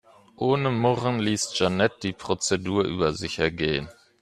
Ohne Murren ließ Jeanette die Prozedur über sich ergehen.